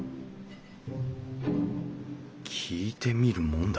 聞いてみるもんだ。